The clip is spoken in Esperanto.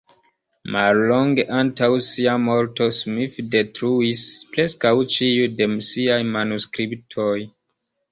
Mallonge antaŭ sia morto Smith detruis preskaŭ ĉiuj de siaj manuskriptoj.